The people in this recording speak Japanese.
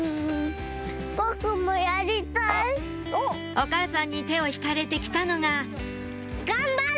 お母さんに手を引かれて来たのががんばれ！